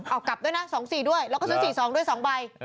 เอากลับด้วยนะ๒๔ด้วยแล้วก็ซื้อ๔๒ด้วย๒ใบ